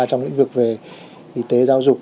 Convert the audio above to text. trong lĩnh vực về y tế giáo dục